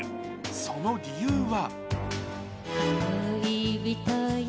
その理由は。